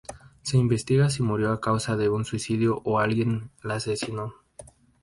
Se investiga si murió a causa de un suicidio o alguien la asesinó.